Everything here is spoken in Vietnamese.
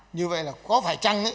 như vậy là có phải chăng